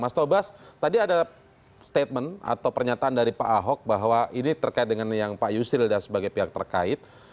mas tobas tadi ada statement atau pernyataan dari pak ahok bahwa ini terkait dengan yang pak yusril dan sebagai pihak terkait